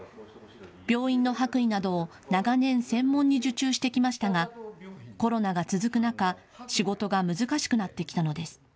病院の白衣などを長年、専門に受注してきましたがコロナが続く中、仕事が難しくなってきたのです。